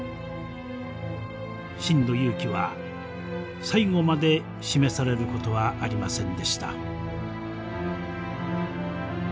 真の勇気は最後まで示されることはありませんでした。